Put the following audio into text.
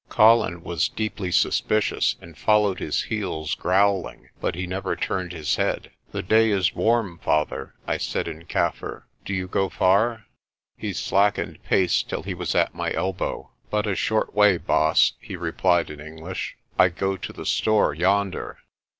Colin was deeply suspicious and followed his heels growl ing, but he never turned his head. "The day is warm, father," I said in Kaffir. "Do you go far?' He slackened pace till he was at my elbow. "But a short way, Baas," he replied in English ; "I go to the store yonder."